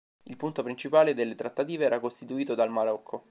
Il punto principale delle trattative era costituito dal Marocco.